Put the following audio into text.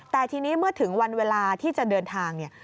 แต่ทีนี้เมื่อถึงวันเวลาที่จะเดินทางเนี่ย